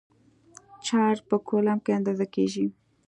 چارج په کولمب کې اندازه کېږي.